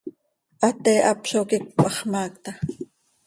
Hatee hap zo quicö, hax maacta.